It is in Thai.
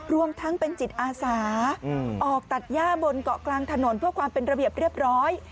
รวมทั้งเป็นจิตอาสาออกตัดย่าบนเกาะกลางถนนเพื่อความเป็นระเบียบเรียบร้อย